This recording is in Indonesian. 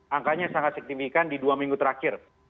angkanya sangat signifikan di dua minggu terakhir